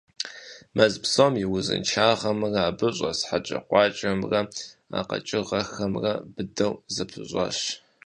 Мэз псом и узыншагъэмрэ абы щӏэс хьэкӏэкхъуэкӏэхэмрэ къэкӏыгъэхэмрэ быдэу зэпыщӀащ.